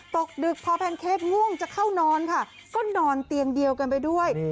ตกดึกพอแพนเค้กง่วงจะเข้านอนค่ะก็นอนเตียงเดียวกันไปด้วย